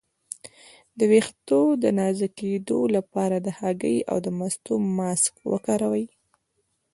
د ویښتو د نازکیدو لپاره د هګۍ او مستو ماسک وکاروئ